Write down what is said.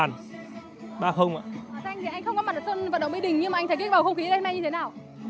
anh không có mặt ở phần vận động bây đỉnh nhưng mà anh thấy cái bầu không khí ở đây như thế nào